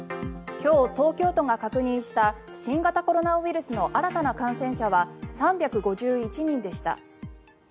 今日、東京都が確認した新型コロナウイルスの新たな感染者は３５１人でした。